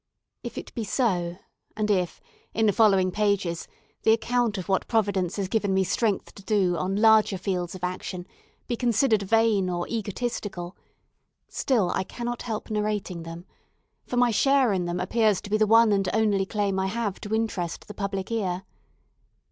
If it be so, and if, in the following pages, the account of what Providence has given me strength to do on larger fields of action be considered vain or egotistical, still I cannot help narrating them, for my share in them appears to be the one and only claim I have to interest the public ear.